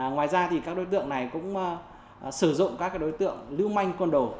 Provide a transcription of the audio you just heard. ngoài ra các đối tượng này cũng sử dụng các đối tượng lưu manh quân đồ